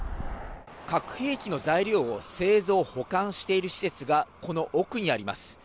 核兵器の材料を製造・保管している施設がこの奥にあります。